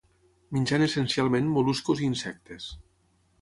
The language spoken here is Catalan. Menjant essencialment mol·luscos i insectes.